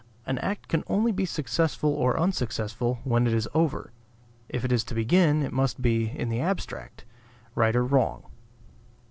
An act can only be successful or unsuccessful when it is over; if it is to begin, it must be, in the abstract, right or wrong.